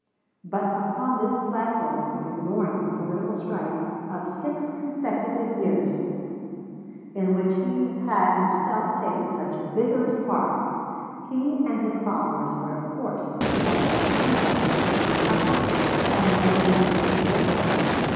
But upon this platform of ignoring the political strife of six consecutive years, in which he had himself taken such vigorous part, he and his followers were of course but as grain between the upper and nether millstones.